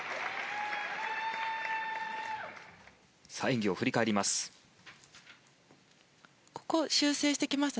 演技を振り返ります。